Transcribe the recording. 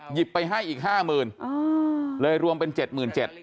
หยิบไปให้อีก๕๐๐๐๐เลยรวมเป็น๗๗๐๐๐ค่ะ